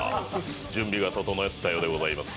準備が整ったようでございます。